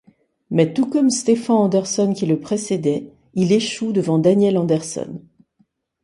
Mais tout comme Stefan Andersson qui le précédait, il échoue devant Daniel Andersson.